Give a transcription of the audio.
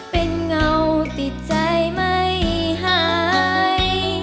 เป็นเงาติดใจไม่หาย